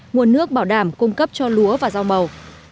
nguồn nước bảo đảm cung cấp cho lúa và rau màu